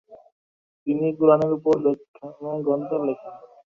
তিনি কুরআনের উপর ব্যাখ্যাগ্রন্থ লেখেন।